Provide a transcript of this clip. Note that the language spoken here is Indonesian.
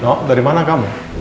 loh dari mana kamu